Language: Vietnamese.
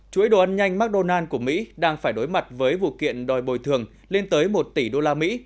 chuỗi đồ ăn nhanh mcdonald s của mỹ đang phải đối mặt với vụ kiện đòi bồi thường lên tới một tỷ đô la mỹ